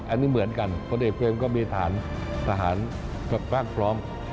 อันนี้เหมือนกันพลเอกเบรมก็มีฐานทหารแบบร่างพร้อม